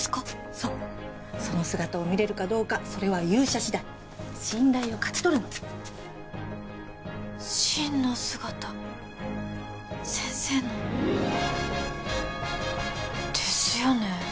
そうその姿を見れるかどうかそれは勇者次第信頼を勝ち取るの真の姿先生のですよね